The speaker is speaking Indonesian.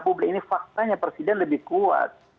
publik ini faktanya presiden lebih kuat